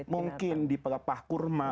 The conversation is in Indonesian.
mungkin di pelepah kurma